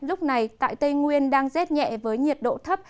lúc này tại tây nguyên đang rét nhẹ với nhiệt độ thấp